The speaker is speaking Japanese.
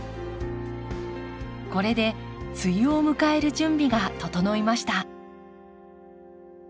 これで梅雨を迎える準備が整いました。